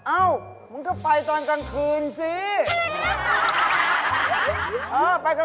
เอ้ามึงก็ไปตอนกลางคืนสิ